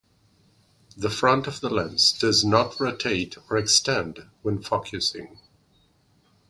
The front of the lens does not rotate or extend when focusing.